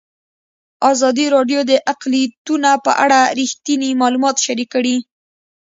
ازادي راډیو د اقلیتونه په اړه رښتیني معلومات شریک کړي.